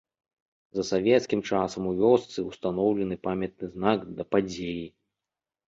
За савецкім часам у вёсцы ўстаноўлены памятны знак да падзеі.